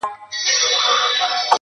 دا موږ ولي همېشه غم ته پیدا یو.!